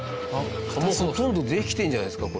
もうほとんどできてるんじゃないですか？